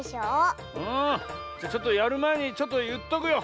ああじゃちょっとやるまえにちょっといっとくよ。